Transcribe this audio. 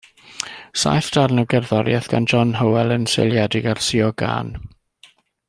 Saith darn o gerddoriaeth gan John Hywel yn seiliedig ar Suo Gân.